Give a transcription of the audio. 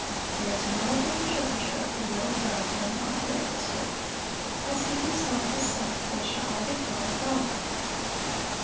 There is no other interpreter of the word of God than the Author of this word, as He Himself has said, 'They shall be all taught of God.